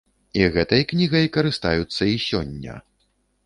І гэтай кнігай карыстаюцца і сёння.